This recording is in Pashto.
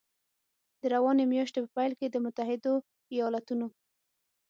د روانې میاشتې په پیل کې د متحدو ایالتونو